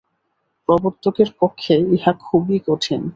প্রবর্তকের পক্ষে ইহা খুবই কঠিন।